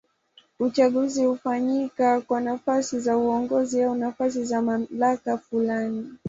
Uchaguzi hufanyika kwa nafasi za uongozi au nafasi za mamlaka fulani.